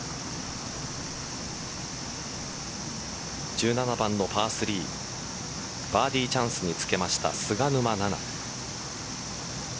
１７番のパー３バーディーチャンスにつけました菅沼菜々。